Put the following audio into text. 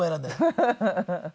ハハハハ。